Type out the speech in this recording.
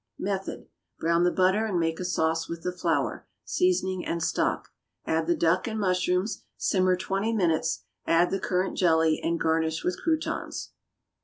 Method. Brown the butter and make a sauce with the flour, seasoning and stock. Add the duck and mushrooms, simmer twenty minutes, add the currant jelly, and garnish with croutons.